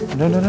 udah udah udah